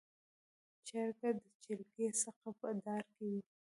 چرګ د چرګې څخه په ډار کې و.